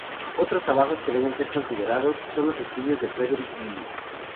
Otros trabajos que deben ser considerados son los estudios de Friedrich Gilly.